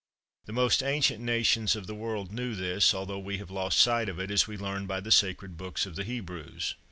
The most ancient nations of the world knew this, although we have lost sight of it, as we learn by the sacred books of the Hebrews.